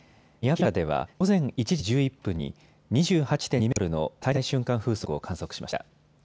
宮古島市平良では午前１時１１分に２８．２メートルの最大瞬間風速を観測しました。